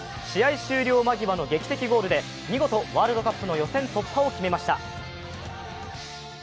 試合終了間際の劇的ゴールで見事、ワールドカップの予選突破を決めました。